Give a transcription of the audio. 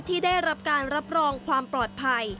ที่ได้รับการรับรองความปลอดภัย